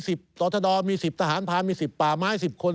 สตรธดรมี๑๐ทหารพามี๑๐ป่าไม้๑๐คน